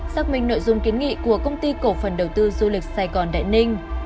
xác minh nội dung kiến nghị của công ty cổ phần đầu tư du lịch sài gòn đại ninh